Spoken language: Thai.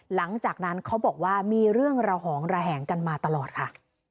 หลังจากนั้นเขาบอกว่ามีเรื่องระหองระแหงกันมาตลอดค่ะ